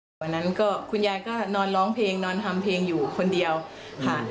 วันนั้นก็คุณยายก็นอนร้องเพลงนอนทำเพลงอยู่คนเดียวค่ะ